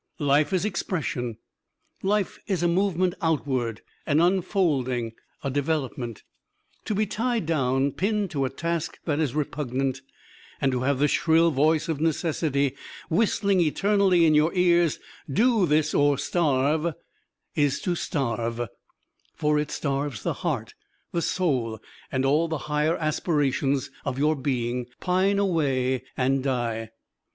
Life is expression. Life is a movement outward, an unfolding, a development. To be tied down, pinned to a task that is repugnant, and to have the shrill voice of Necessity whistling eternally in your ears, "Do this or starve," is to starve; for it starves the heart, the soul, and all the higher aspirations of your being pine away and die.